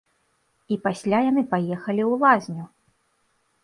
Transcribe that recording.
І пасля яны паехалі ў лазню!